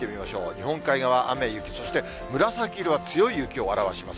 日本海側、雨や雪、そして紫色は強い雪を表します。